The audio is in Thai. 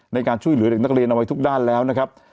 ในการช่วยเหลือเด็กนักเรียนเอาไว้ทุกด้านแล้วนะครับ